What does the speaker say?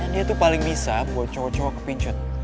dia tuh paling bisa buat cowok cowok kepincut